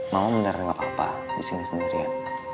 mama beneran gak apa apa disini sendiri ya